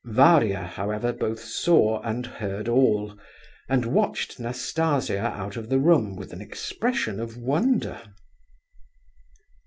Varia, however, both saw and heard all, and watched Nastasia out of the room with an expression of wonder.